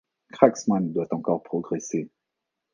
Cracksman doit encore progresser.